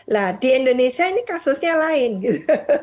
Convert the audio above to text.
nah di indonesia ini kasusnya lain gitu